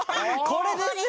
これですよ！